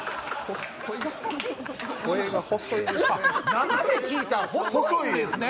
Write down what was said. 生で聞いたら細いですね。